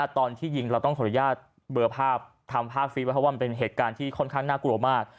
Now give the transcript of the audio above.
ตอนที่ยิงเราต้องขออนุญาตเบอร์ภาพทำภาพฟรีไว้เพราะว่ามันเป็นเหตุการณ์ที่ค่อนข้างน่ากลัวมาก